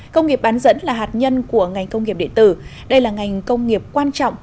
công nghiệp bán dẫn là hạt nhân của ngành công nghiệp địa tử đây là ngành công nghiệp quan trọng